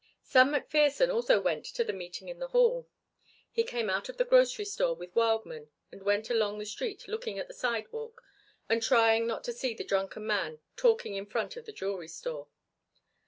Sam McPherson also went to the meeting in the hall. He came out of the grocery store with Wildman and went along the street looking at the sidewalk and trying not to see the drunken man talking in front of the jewelry store.